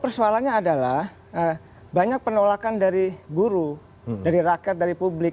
persoalannya adalah banyak penolakan dari guru dari rakyat dari publik